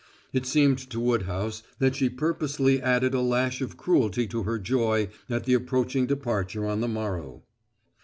It seemed to Woodhouse that she purposely added a lash of cruelty to her joy at the approaching departure on the morrow.